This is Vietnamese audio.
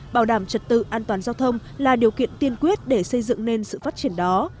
bảo đảm trật tự an toàn giao thông là điều kiện tiên quyết để xây dựng nên sự phát triển đó